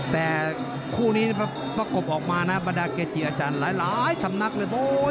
แต่คู่นี้ก็กลบออกมานะบะดาเกียร์จีอาจารย์หลายสำนักเลยโบ๊ย